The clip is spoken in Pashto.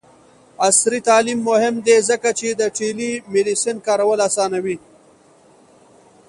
عصري تعلیم مهم دی ځکه چې د ټیلی میډیسین کارول اسانوي.